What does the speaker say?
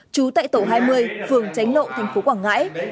trú tại tổ hai mươi phường tránh lộ tp quảng ngãi